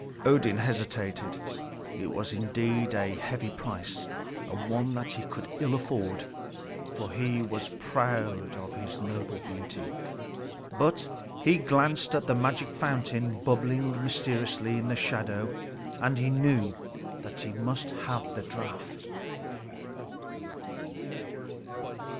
Odin hesitated. It was indeed a heavy price, and one that he could ill afford, for he was proud of his noble beauty. But he glanced at the magic fountain bubbling mysteriously in the shadow, and he knew that he must have the draught.